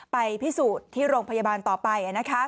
ไปพิสูจน์ที่โรงพยาบาลต่อไป